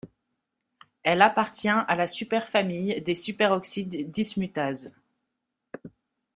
Elle appartient a la superfamille des superoxyde dismutases.